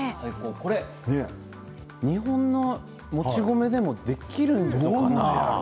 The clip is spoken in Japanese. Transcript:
これ、日本のもち米でもできるのかな？